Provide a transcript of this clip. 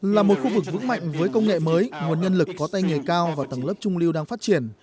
là một khu vực vững mạnh với công nghệ mới nguồn nhân lực có tay nghề cao và tầng lớp trung lưu đang phát triển